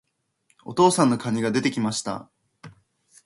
お父さんの蟹が出て来ました。